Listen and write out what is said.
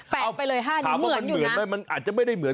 แปะไปเลย๕นิ้วเหมือนอยู่นะถามว่ามันเหมือนไหมมันอาจจะไม่ได้เหมือน